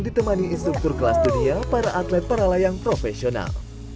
ditemani instruktur kelas dunia para atlet para layang profesional